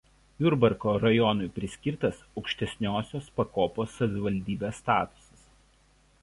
Jurbarko rajonui priskirtas aukštesniosios pakopos savivaldybės statusas.